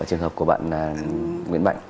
trường hợp của bạn nguyễn mạnh